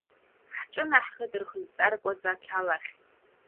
Ҳҿынаҳхеит рхы зҵаркуаз ақьал ахь.